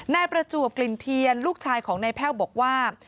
นายประจวบกลิ่นเทียนลูกชายของนายแพ่วบอกว่า